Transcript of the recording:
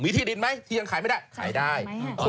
มีที่ดินไหมที่ยังขายไม่ได้ขายได้